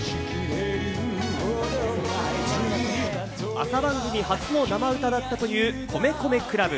朝番組初の生歌だったという米米ＣＬＵＢ。